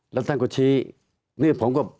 แล้วท่านก็ชี้นี่ผมก็